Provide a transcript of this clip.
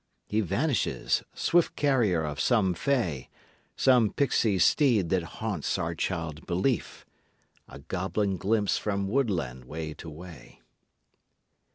He vanishes; swift carrier of some Fay, Some pixy steed that haunts our child belief A goblin glimpse from woodland way to way.